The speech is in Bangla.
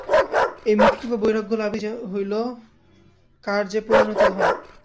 এই মুক্তি বা বৈরাগ্য-লাভই হইল কার্যে পরিণত ধর্ম।